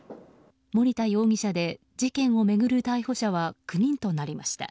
森田容疑者で事件を巡る逮捕者は９人となりました。